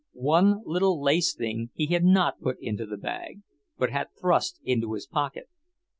One little lace thing he had not put into the bag, but had thrust into his pocket.